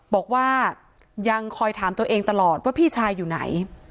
บอกว่ายังคอยถามตัวเองตลอดว่าพี่ชายอยู่ไหน